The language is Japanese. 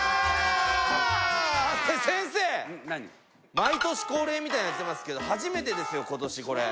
毎年恒例みたいに言ってますけど初めてですよ今年これ。